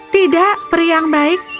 tidak pria yang baik